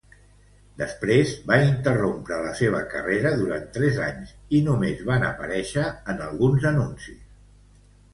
Després, va interrompre la seva carrera durant tres anys i només va aparèixer en alguns anuncis.